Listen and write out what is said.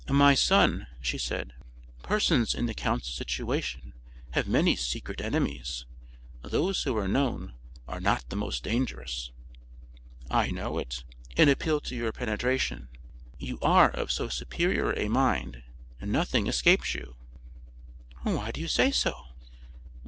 "My son," she said, "persons in the count's situation have many secret enemies. Those who are known are not the most dangerous." "I know it, and appeal to your penetration. You are of so superior a mind, nothing escapes you." "Why do you say so?"